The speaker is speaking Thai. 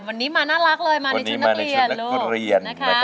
วันนี้มาน่ารักเลยมาในชุดนักเรียนลูก